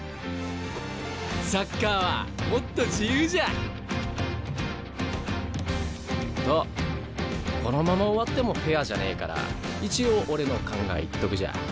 サッカーはもっと自由じゃ！とこのまま終わってもフェアじゃねえから一応俺の考え言っとくじゃ。